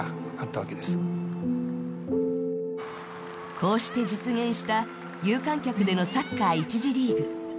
こうして実現した有観客でのサッカー１次リーグ。